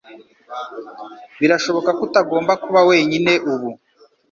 Birashoboka ko utagomba kuba wenyine ubu